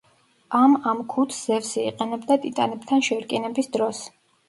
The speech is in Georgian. ამ ამ ქუდს ზევსი იყენებდა ტიტანებთან შერკინების დროს.